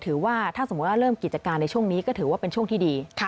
ถือว่าถ้าสมมุติว่าเริ่มกิจการในช่วงนี้ก็ถือว่าเป็นช่วงที่ดี